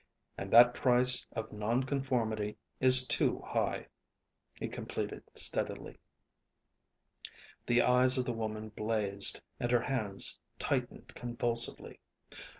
"And that price of non conformity is too high," he completed steadily. The eyes of the woman blazed and her hands tightened convulsively.